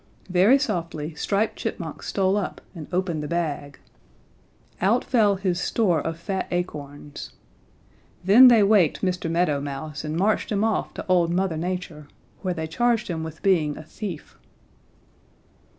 "Very softly Striped Chipmunk stole up and opened the bag. Out fell his store of fat acorns. Then they waked Mr. Meadow Mouse and marched him off to old Mother Nature, where they charged him with being a thief.